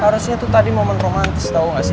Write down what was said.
harusnya itu tadi momen romantis tau gak sih